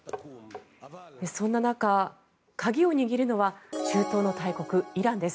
そんな中、鍵を握るのは中東の大国、イランです。